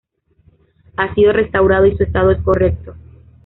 Ha sido restaurado y su estado es correcto.